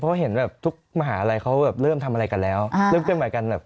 เพราะเห็นแบบทุกมหาลัยเขาเริ่มทำอะไรกันแล้วเริ่มกันหมายกัน